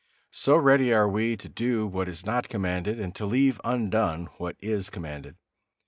So ready are we to do what is not commanded and to leave undone what is commanded.